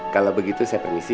kalau begitu saya permisi